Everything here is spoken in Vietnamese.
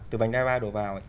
từ vành đai ba đổ vào